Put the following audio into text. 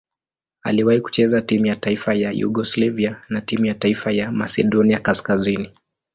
Aliwahi kucheza timu ya taifa ya Yugoslavia na timu ya taifa ya Masedonia Kaskazini.